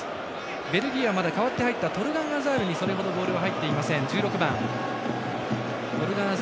ベルギーは代わって入ったトルガン・アザールにそれほどボールは入っていません、１６番。